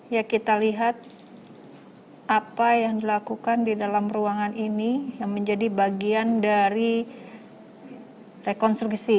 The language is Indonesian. ya kita lihat apa yang dilakukan di dalam ruangan ini yang menjadi bagian dari rekonstruksi